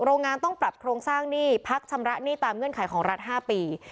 โรงงานต้องปรับโครงสร้างหนี้พักชำระหนี้ตามเงื่อนไขของรัฐ๕ปี